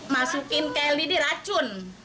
masukin kayak lidi racun